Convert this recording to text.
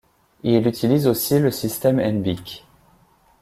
Il utilise aussi le système Hennebique.